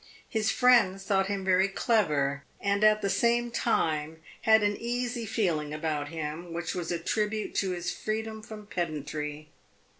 His friends thought him very clever, and at the same time had an easy feeling about him which was a tribute to his freedom from pedantry.